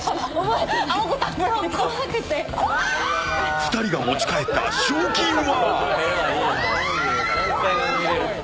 ２人が持ち帰った賞金は？